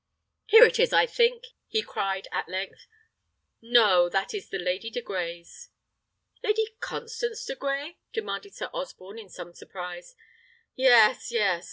"Here it is, I think," he cried, at length. "No! that is the Lady de Grey's." "Lady Constance de Grey?" demanded Sir Osborne, in some surprise. "Yes, yes!"